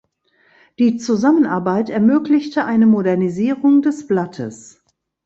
Die Zusammenarbeit ermöglichte eine Modernisierung des Blattes.